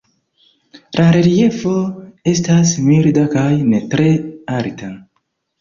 La reliefo estas milda kaj ne tre alta.